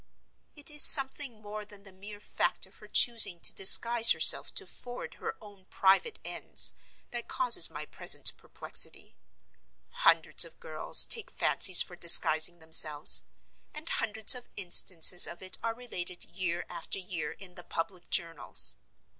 It is something more than the mere fact of her choosing to disguise herself to forward her own private ends that causes my present perplexity. Hundreds of girls take fancies for disguising themselves; and hundreds of instances of it are related year after year in the public journals.